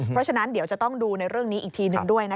เพราะฉะนั้นเดี๋ยวจะต้องดูในเรื่องนี้อีกทีหนึ่งด้วยนะคะ